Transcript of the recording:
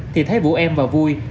thì thấy vũ em và vui